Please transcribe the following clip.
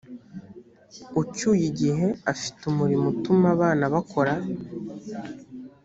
ucyuye igihe afite umurimo utuma abana bakora